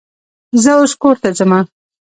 زه اوس کور ته ځمه.